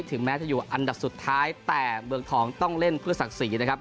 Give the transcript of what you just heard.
ถึงแม้จะอยู่อันดับสุดท้ายแต่เมืองทองต้องเล่นเพื่อศักดิ์ศรีนะครับ